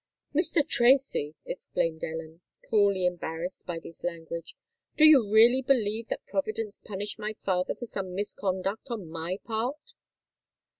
"Mr. Tracy," exclaimed Ellen, cruelly embarrassed by this language, "do you really believe that Providence punished my father for some misconduct on my part?"